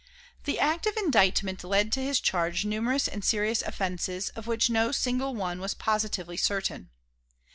The act of indictment laid to his charge numerous and serious offences, of which no single one was positively certain.